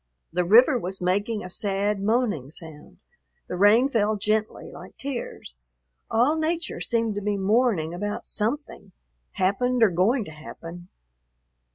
The river was making a sad, moaning sound; the rain fell gently, like tears. All nature seemed to be mourning about something, happened or going to happen.